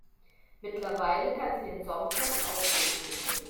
Mittlerweile kann sie den Songtext auswendig.